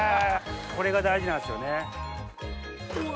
これが大事なんですよね。